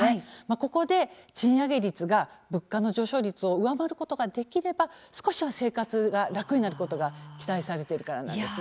ここで賃上げ率が物価の上昇率を上回ることができれば少しは生活が楽になることが期待されているからなんですね。